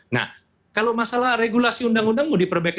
nah kalau masalah regulasi undang undang mau diperbaiki